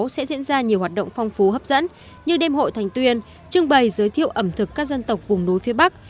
sẽ diễn ra nhiều hoạt động phong phú hấp dẫn như đêm hội thành tuyên trưng bày giới thiệu ẩm thực các dân tộc vùng núi phía bắc